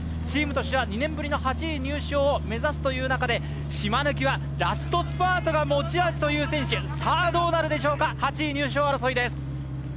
チームとしては２年ぶりの８位入賞を目指すという中で、島貫はラストスパートが持ち味という選手、どうなるでしょうか。